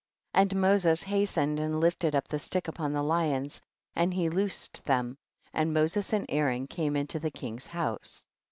22. And Moses hastened and lifted up the stick upon the lions, and he loosed them, and Moses and Aaron came into the king's house.